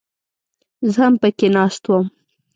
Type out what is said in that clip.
زه هم پکښې ناست وم.